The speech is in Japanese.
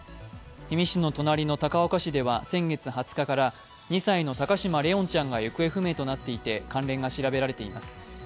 氷見市の隣の高岡市では先月２０日から２歳の高嶋怜音ちゃんが行方不明となっていて関連が調べられています。